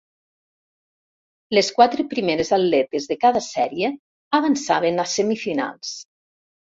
Les quatre primeres atletes de cada sèrie avançaven a semifinals.